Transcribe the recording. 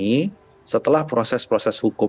setelah proses proses hukum setelah proses proses hukum